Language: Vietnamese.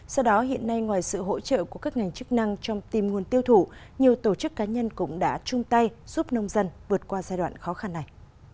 sau đó hiện nay ngoài sự hỗ trợ của các ngành chức năng trong tìm nguồn tiêu thụ nhiều tổ chức cá nhân cũng đã chung tay giúp nông dân vượt qua giai đoạn khó khăn này